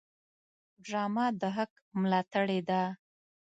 ډرامه د حق ملاتړې ده